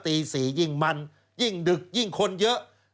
ตี๔ยิ่งมันยิ่งดึกยิ่งคนเยอะ